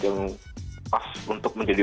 yang pas untuk menjadi